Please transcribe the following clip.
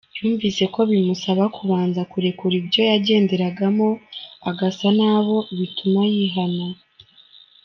Yumvise ko bimusaba kubanza kurekura ibyo yagenderagamo agasa nabo, bituma yihana.